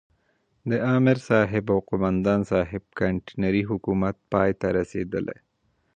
د امرصاحب او قوماندان صاحب کانتينري حکومت پای ته رسېدلی.